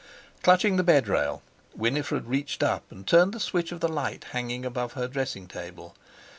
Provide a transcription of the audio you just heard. Clutching the bed rail, Winifred reached up and turned the switch of the light hanging above her dressing table.